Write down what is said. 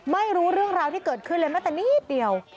ไม่รู้เรื่องราวที่เกิดขึ้นเลยแม้แต่นิดเดียว